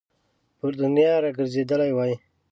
پر دنیا را ګرځېدلی وای.